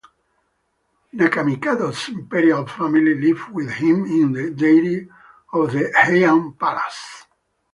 Nakamikado's Imperial family lived with him in the Dairi of the Heian Palace.